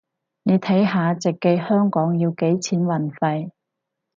你睇下直寄香港要幾錢運費